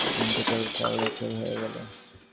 কিন্তু চার বছর হয়ে গেল।